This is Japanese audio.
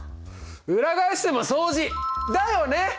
裏返しても相似！だよね！